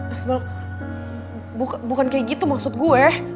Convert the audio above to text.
asball bukan kayak gitu maksud gue